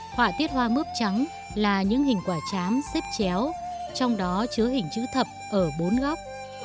họa tiết hoa mướp trắng là những hình quả chám xếp chéo trong đó chứa hình chữ thập ở bốn góc